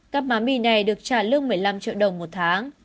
các má mì này được trả lương một mươi năm triệu đồng một tháng